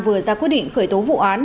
vừa ra quyết định khởi tố vụ án